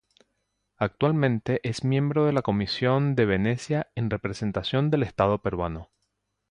Actualmente es miembro de la Comisión de Venecia en representación del Estado peruano.